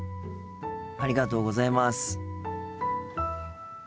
ありがとうございます。